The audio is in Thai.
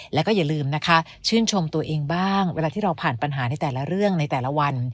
แล้วก็อย่าลืมนะคะชื่นชมตัวเองบ้างเวลาที่เราผ่านปัญหาในแต่ละเรื่องในแต่ละวัน